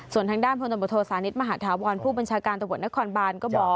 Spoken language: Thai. ส่วนทางด้านพลตำรวจโทษานิทมหาธาวรผู้บัญชาการตำรวจนครบานก็บอก